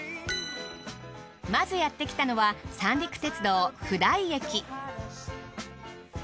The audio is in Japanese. まずやってきたのは三陸鉄道普代駅。